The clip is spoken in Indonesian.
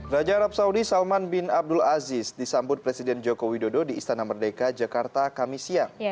raja arab saudi salman bin abdul aziz disambut presiden joko widodo di istana merdeka jakarta kami siang